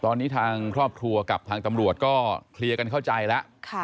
ตอนนี้ทางครอบครัวกับทางตำรวจก็เคลียร์กันเข้าใจแล้ว